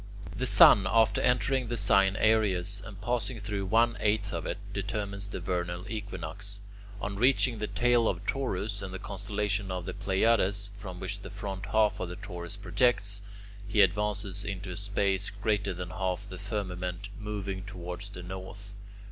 The sun, after entering the sign Aries and passing through one eighth of it, determines the vernal equinox. On reaching the tail of Taurus and the constellation of the Pleiades, from which the front half of Taurus projects, he advances into a space greater than half the firmament, moving toward the north.